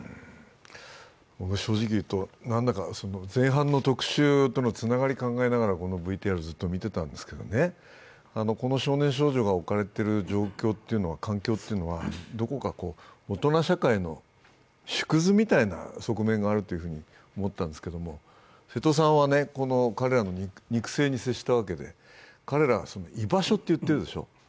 正直言うと、前半の特集とのつながりを考えながら、このＶＴＲをずっと見ていたんですけれども、この少年少女が置かれている状況、環境というのはどこか大人社会の縮図みたいな側面があると思ったんですけど瀬戸さんは、彼らの肉声に接したわけで、彼らは居場所と言っているでしう。